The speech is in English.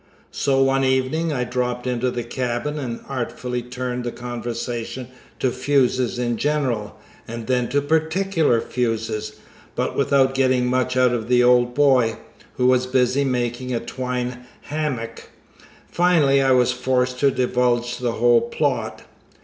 So one evening I dropped into the cabin and artfully turned the conversation to fuses in general, and then to particular fuses, but without getting much out of the old boy, who was busy making a twine hammock. Finally, I was forced to divulge the whole plot.